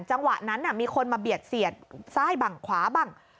จังหวะนั้นมีคนมาเบียดเสียดซ้ายบังขวาบ้าง